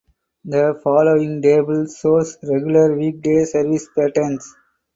The following table shows regular weekday service patterns.